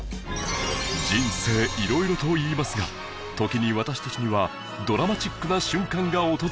人生色々といいますが時に私たちにはドラマチックな瞬間が訪れます